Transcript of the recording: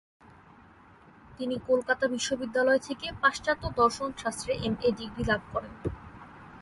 তিনি কলকাতা বিশ্ববিদ্যালয় থেকে পাশ্চাত্য দর্শন শাস্ত্রে এম. এ ডিগ্রি লাভ করেন।